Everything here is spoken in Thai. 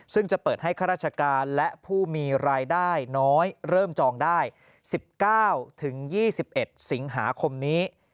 ซึ่งจะเปิดให้ข้าราชการและผู้มีรายได้น้อยเริ่มจองได้๑๙๒๑สิงหาคมนี้